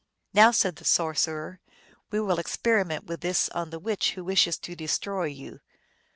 "Now," said the sorcerer, " we will experiment with this on the witch who wishes to destroy you."